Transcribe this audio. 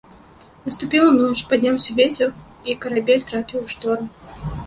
Наступіла ноч, падняўся вецер, і карабель трапіў у шторм.